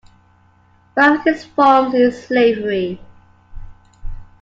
One of its forms is slavery.